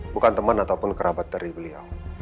bukan teman ataupun kerabat dari beliau